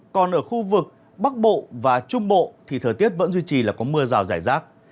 còn ở khu vực bắc bộ và trung bộ thì thời tiết vẫn duy trì là có mưa rào rải rác